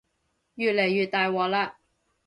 越嚟越大鑊喇